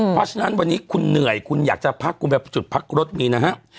เพราะฉะนั้นวันนี้คุณเหนื่อยคุณอยากจะพักคุณแบบจุดพักรถมีนะฮะ